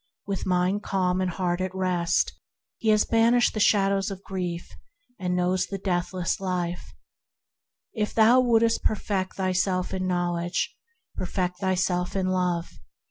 With mind calm and heart at rest, he has banished the shadows of grief, and knows Eternal Life. If thou wouldst perfect thyself in Knowl edge, perfect thyself in Love.